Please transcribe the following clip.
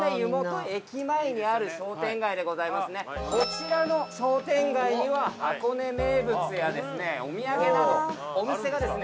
こちらの商店街には箱根名物やお土産などお店がですね